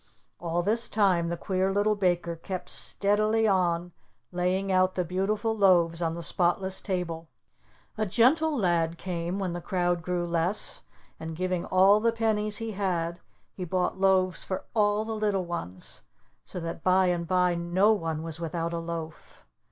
All this time the Queer Little Baker kept steadily on laying out the beautiful loaves on the spotless table. A Gentle Lad came, when the crowd grew less, and giving all the pennies he had he bought loaves for all the little ones; so that by and by no one was without a loaf.